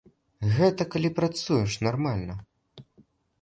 Гэта калі працуеш нармальна.